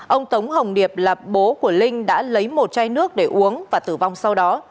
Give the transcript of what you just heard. ông tống hồng điệp là bố của linh đã lấy một chai nước để uống và tử vong sau đó